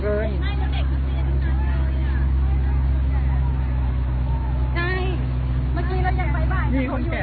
ขอบคุณครับ